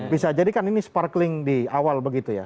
bisa jadi kan ini sparkling di awal begitu ya